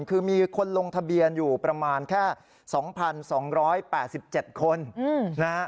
คือมีคนลงทะเบียนอยู่ประมาณแค่๒๒๘๗คนนะฮะ